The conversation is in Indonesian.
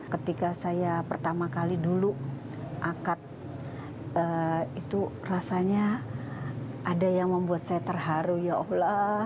ketika saya pertama kali dulu akad itu rasanya ada yang membuat saya terharu ya allah